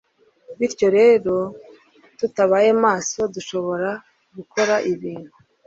Bityo rero tutabaye maso dushobora gukora ibintu